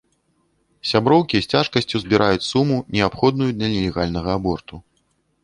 Сяброўкі з цяжкасцю збіраюць суму, неабходную для нелегальнага аборту.